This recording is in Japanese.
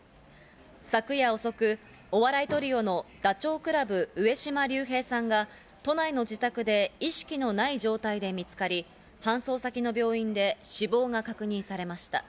昨夜遅く、お笑いトリオのダチョウ倶楽部、上島竜兵さんが都内の自宅で意識のない状態で見つかり、搬送先の病院で死亡が確認されました。